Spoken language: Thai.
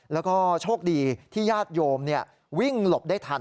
แล้วก็โชคดีที่ญาติโยมวิ่งหลบได้ทัน